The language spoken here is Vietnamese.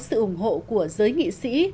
sự ủng hộ của giới nghị sĩ